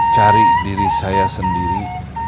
cari diri saya sendiri